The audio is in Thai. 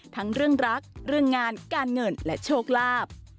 ทั้งเรื่องรักเรื่องงานการเงินและโชคลาภ